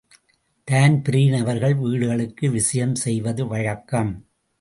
Dan Breen அவர்கள் வீடுகளுக்கு விஜயம் செய்வது வழக்கம்.